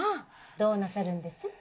どうなさるんです？